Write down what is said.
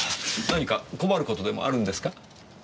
何か困る事でもあるんですか？